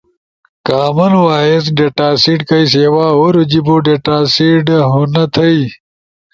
کامن وائس ڈیٹاسیٹ کئی سیوا ہورو جیبو ڈیٹاسیٹ ہونا تھئی۔